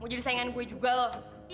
mau jadi saingan gue juga loh